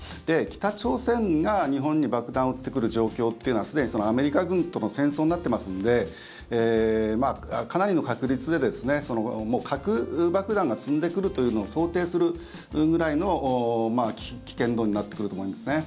北朝鮮が日本に爆弾を撃ってくる状況というのはすでにアメリカ軍との戦争になっていますのでかなりの確率で核爆弾が積んでくるというのを想定するぐらいの危険度になってくると思うんですね。